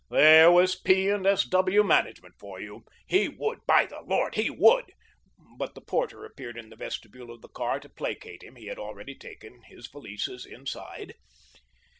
There was P. and S. W. management for you. He would, by the Lord, he would but the porter appeared in the vestibule of the car to placate him. He had already taken his valises inside.